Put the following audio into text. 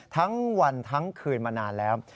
ทั้งวันทั้งคืนมานานแล้ว